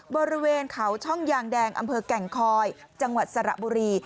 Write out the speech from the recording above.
บริเวณเขาช่องยางแดงอำเภอแก่งคอยจังหวัดสระบุรี